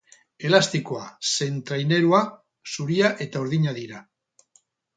Elastikoa zein trainerua zuria eta urdina dira.